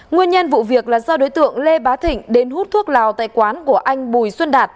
nguyên nhân vụ việc là do đối tượng lê bá thịnh đến hút thuốc lào tại quán của anh bùi xuân đạt